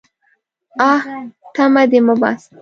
_اه! تمه دې مه باسه.